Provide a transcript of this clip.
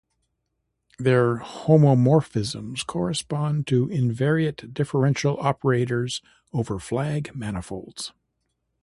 Their homomorphisms correspond to invariant differential operators over flag manifolds.